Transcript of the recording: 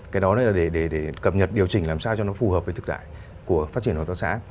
cái đó là để cập nhật điều chỉnh làm sao cho nó phù hợp với thực tại của phát triển hợp tác xã